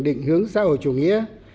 định hướng xã hội chủ nghĩa